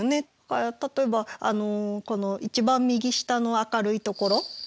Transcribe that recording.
例えばこの一番右下の明るいところ。